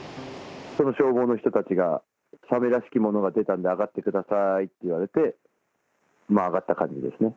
その消防の人たちがサメらしきものが出たんであがってくださいって言われて、あがった感じですね。